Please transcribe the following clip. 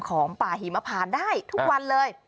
ของป่าหิมพานได้ทุกวันเลย